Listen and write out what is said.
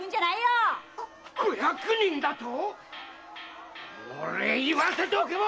こ小役人だと⁉おのれ言わせておけば！